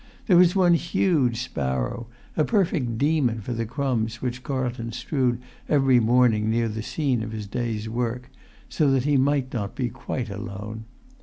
There was one huge sparrow, a perfect demon for the crumbs which Carlton strewed every morning near the scene of his day's work, so that he might not be quite alone.